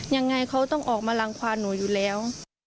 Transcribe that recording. ยังไงเขาต้องออกมารังความหนูอยู่แล้ว